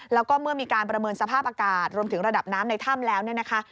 แล้วก็เมื่อมีการประเมินสภาพอากาศรวมถึงระดับน้ำในถ้ำแล้วเนี่ยนะคะ